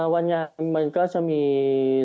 วันงานมันก็จะมี